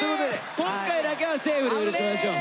今回だけはセーフで許しましょう。